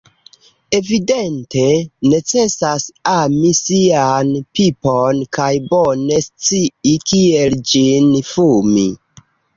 Evidente, necesas ami sian pipon kaj bone scii kiel ĝin fumi...